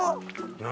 何？